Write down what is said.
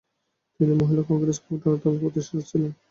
তিনি মহিলা কংগ্রেস কমিটির অন্যতম প্রতিষ্ঠাতা ছিলেন।